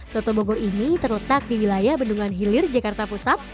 soto bogor ini terletak di wilayah bendungan hilir jakarta pusat